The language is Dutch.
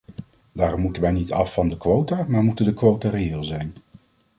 Daarom moeten wij niet af van de quota maar moeten de quota reëel zijn.